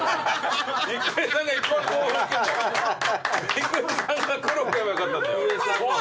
郁恵さんが黒食えばよかったんだよ。